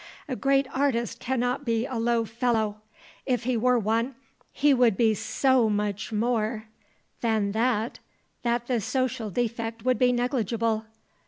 A great artist cannot be a low fellow; if he were one he would be so much more than that that the social defect would be negligible.